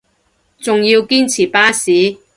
仲要堅持巴士